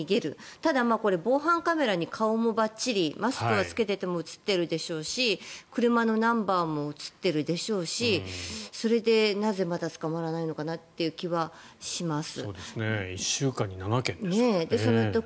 ただ、防犯カメラに顔もばっちりマスクはつけていても映っているでしょうし車のナンバーも映ってるでしょうしそれでなぜまだ捕まらないのかなという気はします。